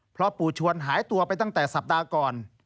เพราะปู่ชวนหายตัวไปตั้งแต่สัปดาห์ก่อน